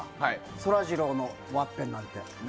そらジローのワッペンなんて。